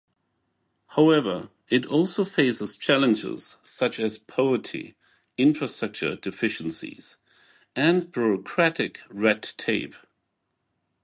However, it also faces challenges such as poverty, infrastructure deficiencies, and bureaucratic red tape.